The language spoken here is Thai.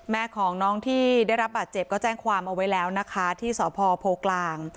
แม่ของน้องที่ได้รับบาดเจ็บก็แจ้งความเอาไว้แล้วนะคะที่สพโพกลาง